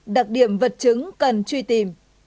đặc điểm vật chứng cần truy tìm